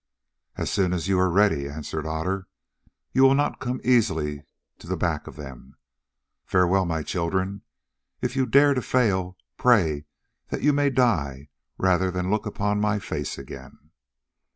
"As soon as you are ready," answered Otter. "You will not come easily to the back of them. Farewell, my children, and if you dare to fail, pray that you may die rather than look upon my face again."